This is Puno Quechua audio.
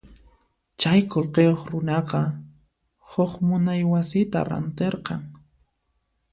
Chay qullqiyuq runaqa huk munay wasita rantirqan.